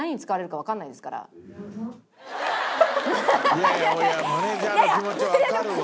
「いやいや俺マネージャーの気持ちわかるわ」